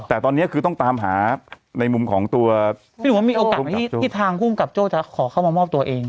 แต่ตอนนี้คือต้องตามหาในมุมของตัวพี่หนูว่ามีโอกาสไหมที่ทางภูมิกับโจ้จะขอเข้ามามอบตัวเอง